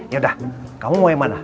yaudah kamu mau yang mana